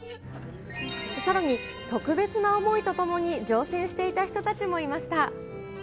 さらに、特別な思いとともに乗船していた人たちもいました。